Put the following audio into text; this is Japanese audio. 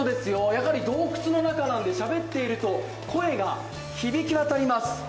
やはり洞窟の中なので、しゃべっていると声が響き渡ります。